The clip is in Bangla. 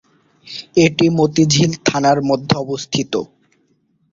এটি মতিঝিল থানার মধ্যে অবস্থিত।